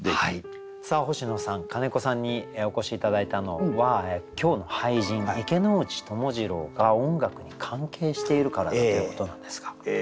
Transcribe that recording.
さあ星野さん金子さんにお越し頂いたのは今日の俳人池内友次郎が音楽に関係しているからということなんですが。